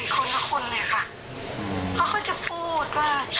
เขาก็จะพูดว่า